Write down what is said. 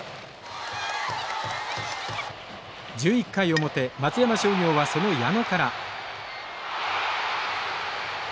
１１回表松山商業はその矢野から。